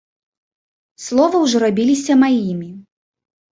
Словы ўжо рабіліся маімі.